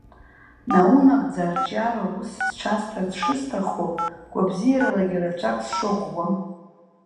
Наунагӡа арҿиара ус сҽасҭарц шысҭаху, гәабзиаралагьы рацәак сшыӷәӷәам.